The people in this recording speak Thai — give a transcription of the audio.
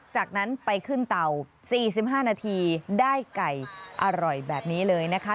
จากนั้นไปขึ้นเตา๔๕นาทีได้ไก่อร่อยแบบนี้เลยนะคะ